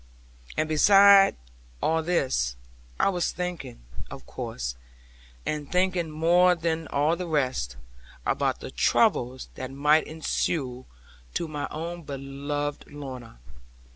And beside all this, I was thinking, of course, and thinking more than all the rest, about the troubles that might ensue to my own beloved Lorna.